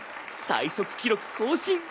最速記録更新！